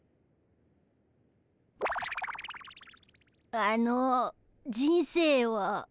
あの人生は？